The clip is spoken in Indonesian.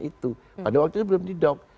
itu pada waktu itu belum didok